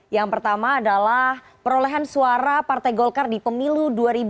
yang pertama adalah perolehan suara partai golkar di pemilu dua ribu dua puluh